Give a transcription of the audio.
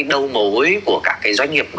đầu mối của các cái doanh nghiệp